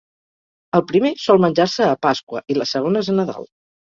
El primer sol menjar-se a Pasqua i les segones a Nadal.